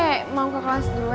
eee gue mau ke kelas duluan ya